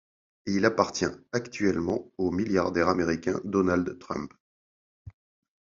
Il appartient actuellement au milliardaire américain Donald Trump.